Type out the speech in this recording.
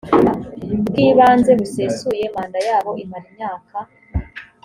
bwiganze busesuye manda yabo imara imyaka